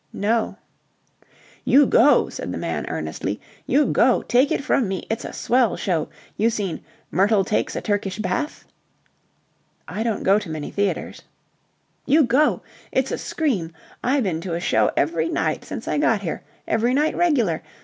"No." "You go," said the man earnestly. "You go! Take it from me, it's a swell show. You seen 'Myrtle takes a Turkish Bath'?" "I don't go to many theatres." "You go! It's a scream. I been to a show every night since I got here. Every night regular.